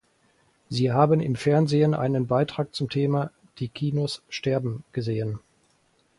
Sie haben im Fernsehen einen Beitrag zum Thema „Die Kinos sterben” gesehen.